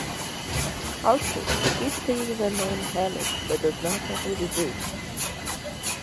Also, she keeps thinking the name "Helen," but does not know who this is.